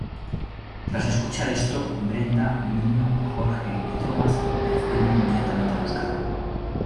Tras escuchar esto, Brenda, Minho, Jorge y Thomas deciden ir inmediatamente a buscarlo.